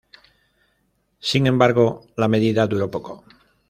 Sin embargo, la medida duró poco.